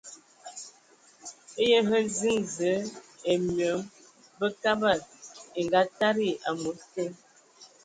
Eyǝ hm ziŋ zəǝ ai myɔŋ Bəkabad e ngatadi am̌os te.